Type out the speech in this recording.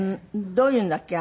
どういうのだっけ？